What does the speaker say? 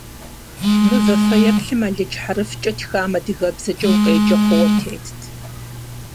Мывэ фэеплъым алыдж хьэрфкӏэ тхам адыгэбзэкӏэ укъеджэ хъууэ тетт.